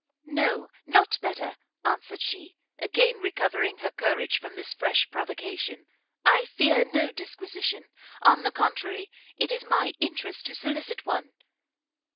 "No, not better," answered she, again recovering her courage from this fresh provocation; "I fear no disquisition; on the contrary, it is my interest to solicit one."